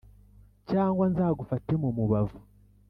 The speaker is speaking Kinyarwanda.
cyangwa nzagufate mu mubavu